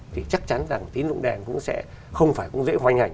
thì chắc chắn tín dụng đen cũng sẽ không dễ hoành hành